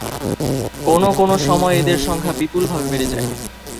কোনো কোনো সময় এদের সংখ্যা বিপুলভাবে বেড়ে যায়।